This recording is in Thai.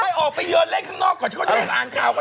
ไปออกไปเยินเล่นข้างนอกก่อนเขาจะล้างคาวก่อน